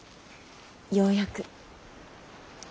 ようやく。